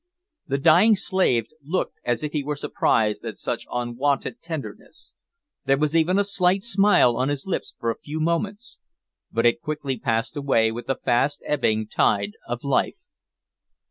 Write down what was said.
The dying slave looked as if he were surprised at such unwonted tenderness. There was even a slight smile on his lips for a few moments, but it quickly passed away with the fast ebbing tide of life.